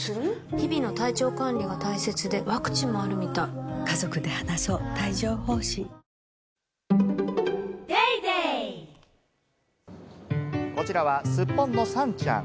日々の体調管理が大切でワクチンもあるみたいこちらはすっぽんのさんちゃん。